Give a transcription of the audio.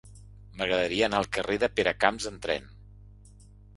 M'agradaria anar al carrer de Peracamps amb tren.